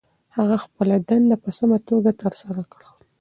هغه خپله دنده په سمه توګه ترسره کړه.